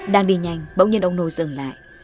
đang đi nhanh bỗng nhiên ông nô dừng lại